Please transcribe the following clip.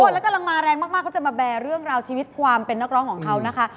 แล้วกำลังมาแรงมากเขาจะมาแบร์เรื่องราวชีวิตความเป็นนักร้องของเขานะคะ